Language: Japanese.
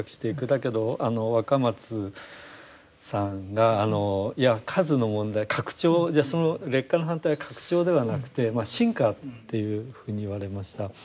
だけどあの若松さんがいや数の問題拡張その劣化の反対は拡張ではなくてまあ深化というふうに言われました。